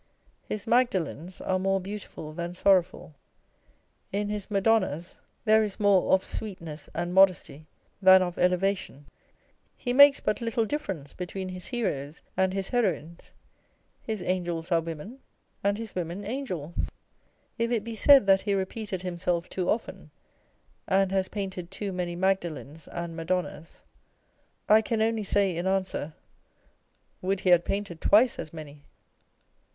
His Magdalens are more beautiful than sorrowful ; in his Madonnas there is more of sweetness and modesty than of elevation. He makes but little difference between his heroes and his heroines ; his angels are women, and his women angels ! If it be said that he repeated himself too often, and has painted too many Magdalens and Madonnas, I can only say in answer, " Would he had painted twice as many